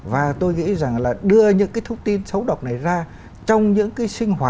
và tôi nghĩ rằng là đưa những cái thông tin xấu độc này ra trong những cái sinh hoạt